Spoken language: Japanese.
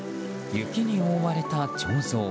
雪に覆われた彫像。